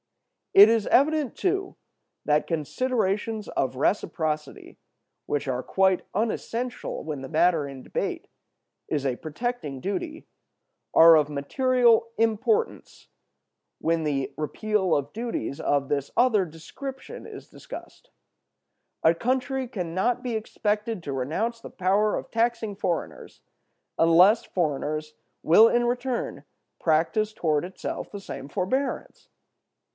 It is evident, too, that considerations of reciprocity, which are quite unessential when the matter in debate is a protecting duty, are of material importance when the repeal of duties of this other description is discussed. A country can not be expected to renounce the power of taxing foreigners unless foreigners will in return practice toward itself the same forbearance.